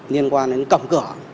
liên quan đến cổng cửa